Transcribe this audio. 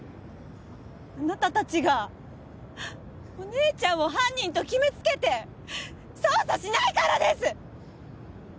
あなた達がお姉ちゃんを犯人と決めつけて捜査しないからです！